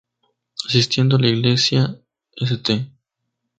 Asistiendo a la iglesia St.